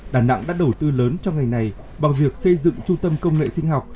đà nẵng đã đầu tư lớn trong ngày này bằng việc xây dựng trung tâm công nghệ sinh học